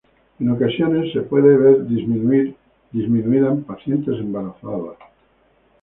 En ocasiones, se puede ver disminuida en pacientes embarazadas.